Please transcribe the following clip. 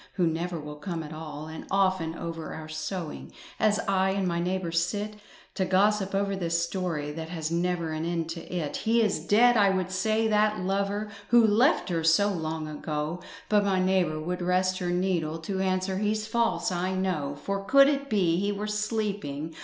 Who never will come at all. And often over our sewing, As I and my neighbour sit To gossip over this story That has never an end to it, "He is dead," I would say, "that lover, Who left her so long ago," But my neighbour would rest her needle To answer, "He's false I know." "For could it be he were sleeping.